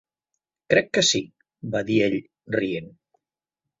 "Crec que sí", va dir ell, rient.